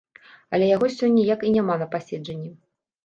Але яго сёння як і няма на пасяджэнні.